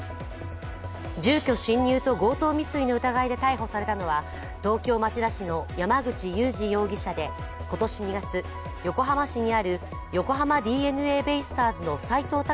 住居侵入と強盗未遂の疑いで逮捕されたのは東京・町田市の山口祐司容疑者で今年２月、横浜市にある横浜ＤｅＮＡベイスターズの斉藤隆